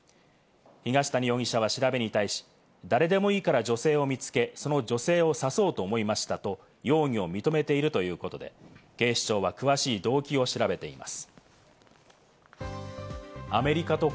東谷容疑者は調べに対し、誰でもいいから女性を見つけ、その女性を刺そうと思いましたと容疑を認めているということで、警視庁は詳しい動機を調べています。